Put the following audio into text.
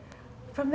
hati proyek itu adalah